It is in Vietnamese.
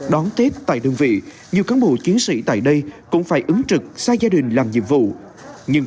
đón tết tại đơn vị nhiều cán bộ chiến sĩ tại đây cũng phải ứng trực xa gia đình làm nhiệm vụ nhưng